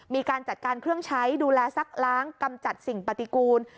มีการจัดการเครื่องใช้ดูแลซักล้างกำจัดสิ่งปฏิกูล